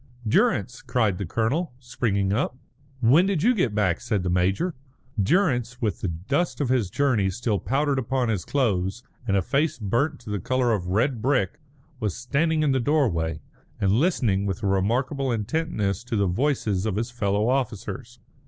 "Durrance!" cried the colonel, springing up. "When did you get back?" said the major. Durrance, with the dust of his journey still powdered upon his clothes, and a face burnt to the colour of red brick, was standing in the doorway, and listening with a remarkable intentness to the voices of his fellow officers.